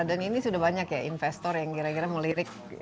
dan ini sudah banyak ya investor yang kira kira melirik